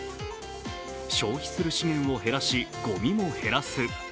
消費する資源を減らしごみも減らす。